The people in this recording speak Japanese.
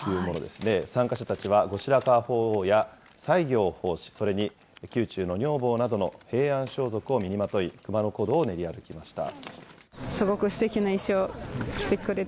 参加者たちは後白河法皇や、西行法師、それに宮中の女房などの平安装束を身にまとい、熊野古道を練り歩きました。